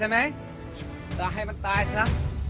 ใช่ไหมร้ายมันตายซะ